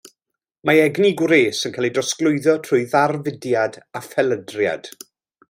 Mae egni gwres yn cael ei drosglwyddo drwy ddarfudiad a phelydriad.